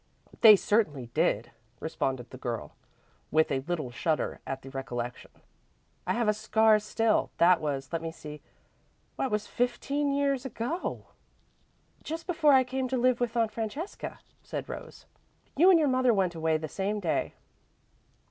"They certainly did," responded the girl, with a little shudder at the recollection. "I have a scar still. That was let me see why, it was fifteen years ago!" "Just before I came to live with Aunt Francesca," said Rose. "You and your mother went away the same day."